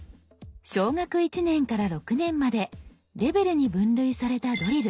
小学１年から６年までレベルに分類されたドリル。